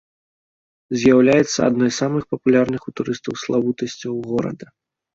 З'яўляецца адной з самых папулярных у турыстаў славутасцяў горада.